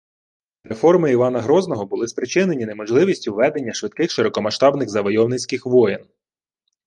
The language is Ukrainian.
– Реформи Івана Грозного були спричинені неможливістю ведення швидких широкомасштабних завойовницьких воєн